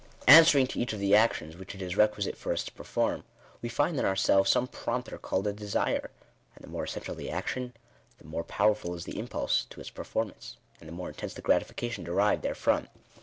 Answer ing to each of the actions which it is requisite for us to per form, we find in ourselves some prompter called a desire ; and the more essential the action, the more powerful is the im « u pulse to its performance, and the more intense the gratification derived therefrom.